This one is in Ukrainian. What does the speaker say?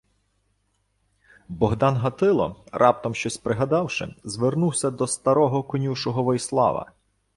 Богдан Гатило, раптом щось пригадавши, звернувся до старого конюшого Войслава: